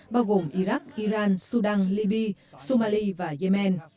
bao gồm iraq iran sudan libya somalia và yemen